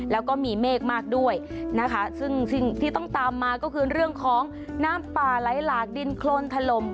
แล้วก็มีเมฆมากด้วยนะคะซึ่งสิ่งที่ต้องตามมาก็คือเรื่องของน้ำป่าไหลหลากดินโครนถล่ม